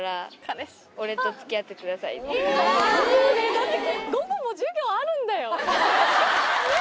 だって。